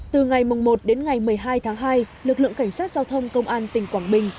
từ ngày một đến ngày một mươi hai tháng hai lực lượng cảnh sát giao thông công an tỉnh quảng bình